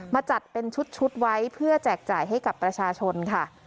จัดเป็นชุดไว้เพื่อแจกจ่ายให้กับประชาชนค่ะ